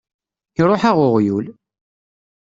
Iṛuḥ-aɣ uɣyul!